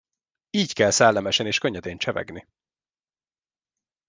Így kell szellemesen és könnyedén csevegni!